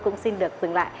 cũng xin được dừng lại